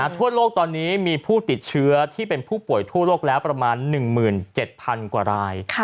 ทั่วโลกตอนนี้มีผู้ติดเชื้อที่เป็นผู้ป่วยทั่วโลกแล้วประมาณ๑๗๐๐กว่าราย